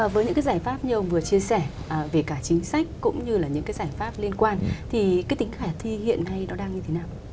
với những cái giải pháp như ông vừa chia sẻ về cả chính sách cũng như là những cái giải pháp liên quan thì cái tính khả thi hiện nay nó đang như thế nào